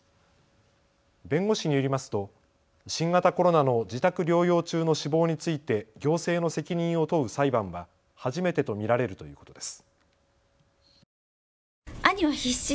弁護士によりますと新型コロナの自宅療養中の死亡について行政の責任を問う裁判は初めてと見られるということです。